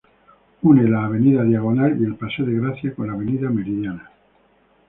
Une la avenida Diagonal y el paseo de Gracia con la avenida Meridiana.